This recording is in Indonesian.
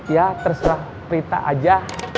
ya terserah prita aja